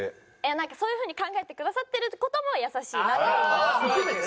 なんかそういうふうに考えてくださってる事も優しいなと思います。